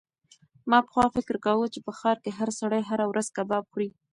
ما پخوا فکر کاوه چې په ښار کې هر سړی هره ورځ کباب خوري.